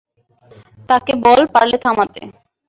তাকে বল পারলে থামাতে।